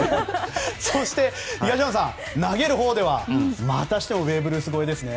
そして東山さん投げるほうではまたしてもベーブ・ルース超えですね。